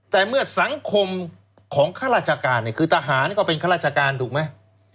แต่เมื่อสังคมของข้าราชการเนี่ยคือทหารก็เป็นข้าราชการถูกไหม